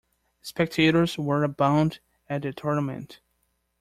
Spectators were abound at the tournament.